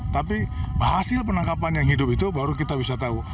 tapi hasil penangkapan yang hidup itu baru kita bisa tahu